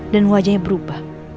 dan wajahnya berubah